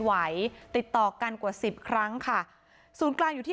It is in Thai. ไหวติดต่อกันกว่าสิบครั้งค่ะศูนย์กลางอยู่ที่